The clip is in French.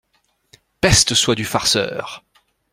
Peste soit du farceur!